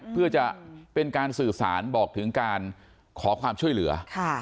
เพื่อจะเป็นการสื่อสารบอกถึงการขอความช่วยเหลือ